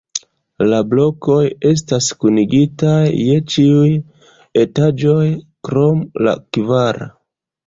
La blokoj estas kunigitaj je ĉiuj etaĝoj krom la kvara.